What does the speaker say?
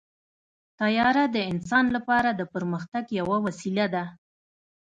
طیاره د انسان لپاره د پرمختګ یوه وسیله ده.